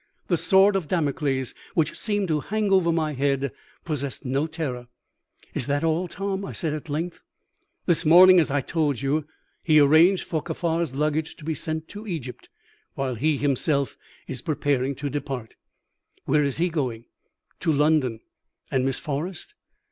The sword of Damocles, which seemed to hang over my head, possessed no terror. "Is that all, Tom?" I said at length. "This morning, as I told you, he arranged for Kaffar's luggage to be sent to Egypt, while he himself is preparing to depart." "Where is he going?" "To London." "And Miss Forrest?"